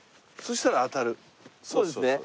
こうですね。